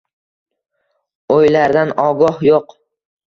O’ylaridan ogoh yo’q.